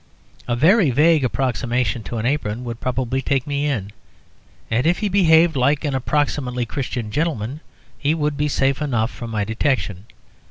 A very vague approximation to an apron would probably take me in; and if he behaved like an approximately Christian gentleman he would be safe enough from my detection.